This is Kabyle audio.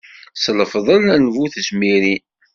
S lefḍel n bu tezmirin.